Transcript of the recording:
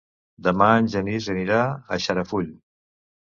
Demà en Genís anirà a Xarafull.